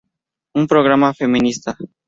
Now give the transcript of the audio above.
Un Programa feminista.